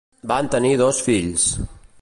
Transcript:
Van tenir dos fills: